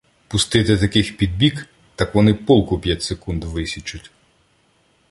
Пустити таких під бік, так вони полк у п'ять секунд висічуть.